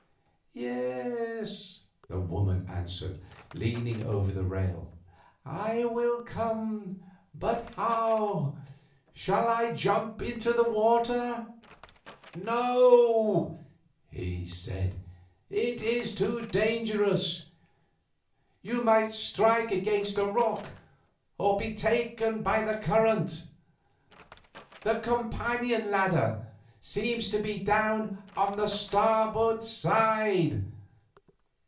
"Yes," the woman answered, leaning over the rail; "I will come, but how? Shall I jump into the water?" "No," he said, "it is too dangerous. You might strike against a rock or be taken by the current. The companion ladder seems to be down on the starboard side.